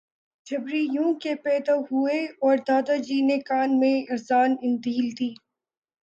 جبری یوں کہ پیدا ہوئے اور دادا جی نے کان میں اذان انڈیل دی